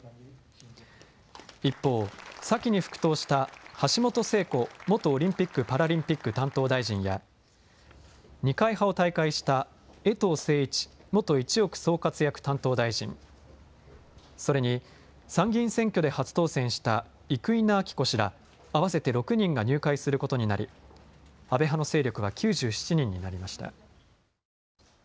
一方、先に復党した橋本聖子元オリンピック・パラリンピック担当大臣や二階派を退会した衛藤晟一元一億総活躍担当大臣、それに、参議院選挙で初当選した生稲晃子氏ら合わせて６人が入会することになり、安倍派の勢力は９７人になりました。